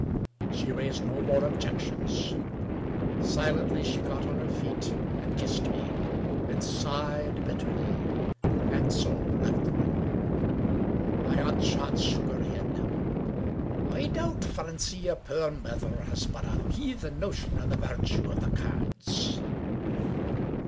She raised no more objections. Silently, she got on her feet, and kissed me, and sighed bitterly — and so left the room. My aunt Chance shook her head. " I doubt, Francie, yer puir mither has but a heathen notion of the vairtue of the cairds